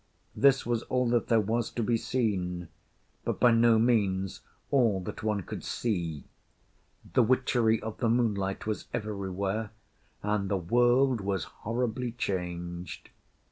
’ This was all that there was to be seen; but by no means all that one could see. The witchery of the moonlight was everywhere; and the world was horribly changed.